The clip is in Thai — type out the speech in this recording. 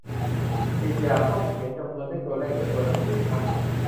อีกอย่าง ต้องเขียนจำนวนด้วยตัวเลขหรือตัวหนังสือคะ ?